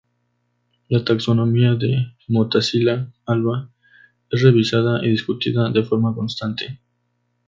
La taxonomía de "Motacilla alba" es revisada y discutida de forma constante.